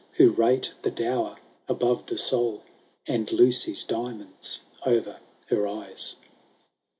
Who rate the dower above the soul. And Lucy's diamonds o'er her eyes.